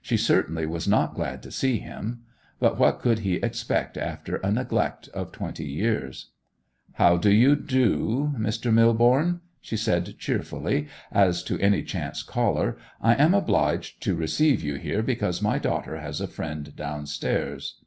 She certainly was not glad to see him. But what could he expect after a neglect of twenty years! 'How do you do, Mr. Millborne?' she said cheerfully, as to any chance caller. 'I am obliged to receive you here because my daughter has a friend downstairs.